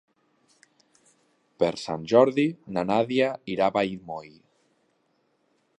Per Sant Jordi na Nàdia irà a Vallmoll.